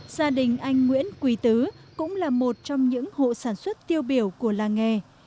gia đình anh nguyễn quỳ tứ cũng là một trong những hộ sản xuất tiêu biểu của làng nghề